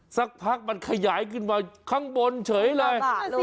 สักพักมันขยายขึ้นมาข้างบนเฉยเลย